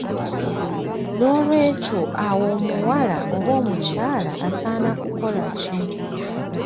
N'olwekyo awo omuwala oba omukyala osaana kukola ki?